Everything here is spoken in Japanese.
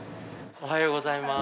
おはようございます。